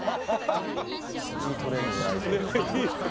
いいトレーニングになりそうですね。